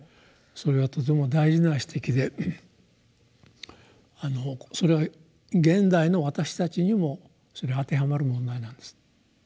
それはとても大事な指摘でそれは現代の私たちにも当てはまる問題なんです。